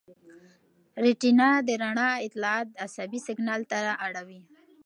ریټینا د رڼا اطلاعات عصبي سېګنال ته اړوي.